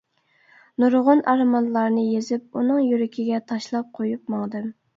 نۇرغۇن ئارمانلارنى يېزىپ ئۇنىڭ يۈرىكىگە تاشلاپ قويۇپ ماڭدىم.